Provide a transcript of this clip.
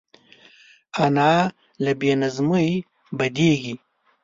انا له بې نظمۍ بدېږي